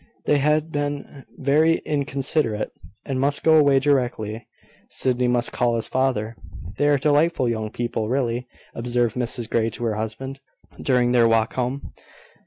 They had been very inconsiderate, and must go away directly. Sydney must call his father. "They are delightful young people, really," observed Mrs Grey to her husband, during their walk home.